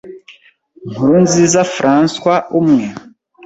Nkurunziza François, umwe